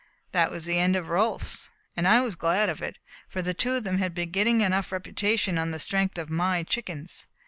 That was the end of Rolfs, and I was glad of it, for the two of them had been getting enough reputation on the strength of my chickens.